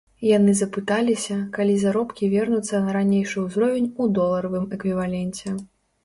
Яны запыталіся, калі заробкі вернуцца на ранейшы ўзровень у доларавым эквіваленце.